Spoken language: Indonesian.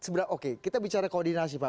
sebenarnya oke kita bicara koordinasi pak